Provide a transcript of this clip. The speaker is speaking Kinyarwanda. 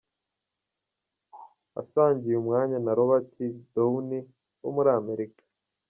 Asangiye umwanya na Robati dowuni, wo muri Amerika.